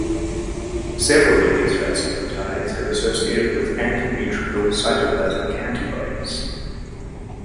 Several of these vasculitides are associated with antineutrophil cytoplasmic antibodies.